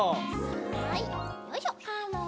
はいよいしょ。